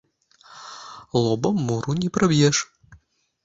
Лобам муру не праб’еш